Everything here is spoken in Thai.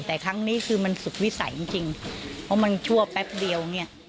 แต่ครั้งนี้คือมันสุดวิสัยจริงจริงเพราะมันชั่วแป๊บเดียวเนี่ย